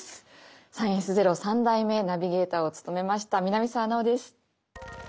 「サイエンスＺＥＲＯ」３代目ナビゲーターを務めました南沢奈央です。